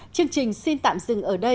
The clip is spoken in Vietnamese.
chương trình xin tạm dừng ở đây